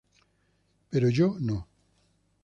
Pero yo no.